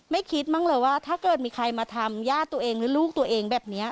ไม่คิดมั้งเลยว่าถ้าเกิดมีใครมาทำญาติตัวเองหรือลูกตัวเองแบบนี้